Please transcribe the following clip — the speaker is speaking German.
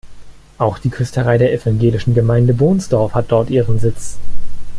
Auch die Küsterei der evangelischen Gemeinde Bohnsdorf hat dort ihren Sitz.